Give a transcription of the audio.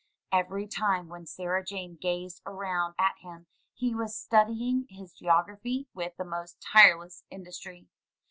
Every time when Sarah Jane gazed around at him he was studying his geography with the most tireless industry.